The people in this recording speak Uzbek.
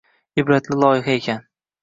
Ibratli loyiha ekan.